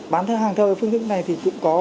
bán hàng theo phương thức này thì cũng có